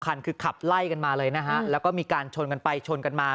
คันคือขับไล่กันมาเลยนะฮะแล้วก็มีการชนกันไปชนกันมา